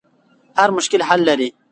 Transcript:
هر مشکل حل لري.